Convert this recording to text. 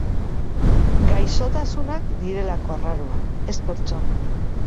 Gaixotasunak direlako arraroak, ez pertsonak.